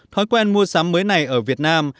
thói quen mua sắm mới này ở việt nam